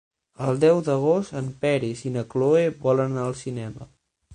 El deu d'agost en Peris i na Cloè volen anar al cinema.